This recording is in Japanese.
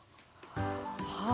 はあ。